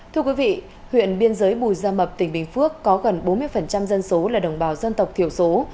thưa quý vị huyện biên giới bù gia mập tỉnh bình phước có gần bốn mươi dân số là đồng bào dân tộc thiểu số